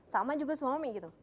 sama juga suami gitu